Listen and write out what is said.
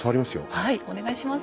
はいお願いします。